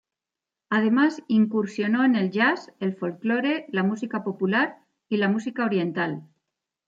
Además incursionó en el jazz, el folclore, la música popular y la música oriental.